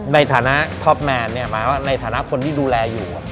ในฐานะท็อปแมนเนี่ยหมายว่าในฐานะคนที่ดูแลอยู่